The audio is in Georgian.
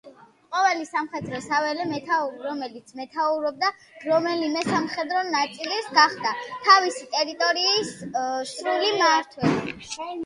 ყოველი სამხედრო საველე მეთაური, რომელიც მეთაურობდა რომელიმე სამხედრო ნაწილს, გახდა თავისი ტერიტორიის სრული მმართველი.